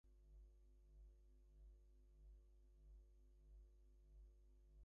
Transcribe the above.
Caper’s technology has multiple cameras and lights to capture images.